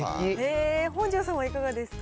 本上さんはいかがですか。